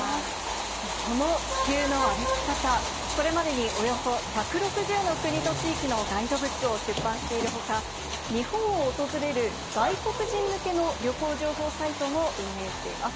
その地球の歩き方、これまでにおよそ１６０の国と地域のガイドブックを出版しているほか、日本を訪れる外国人向けの旅行情報サイトも運営しています。